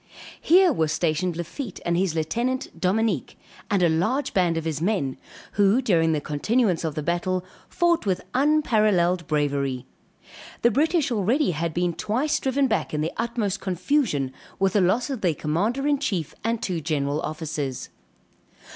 Here was stationed Lafitte and his lieutenant Dominique and a large band of his men, who during the continuance of the battle, fought with unparalleled bravery. The British already had been twice driven back in the utmost confusion, with the loss of their commander in chief, and two general officers.